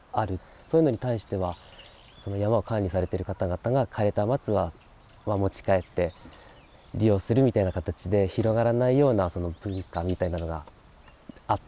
そういうのに対しては山を管理されている方々が枯れた松は持ち帰って利用するみたいな形で広がらないような文化みたいなのがあった。